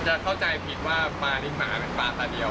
เข้าใจผิดว่าปลาในหมาเป็นปลาตาเดียว